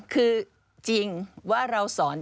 คือจริงว่าเราสอน